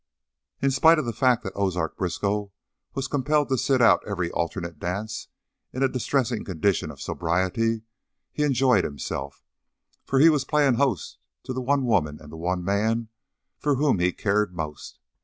In spite of the fact that Ozark Briskow was compelled to sit out every alternate dance in a distressing condition of sobriety, he enjoyed himself, for he was playing host to the one woman and the one man for whom he cared most.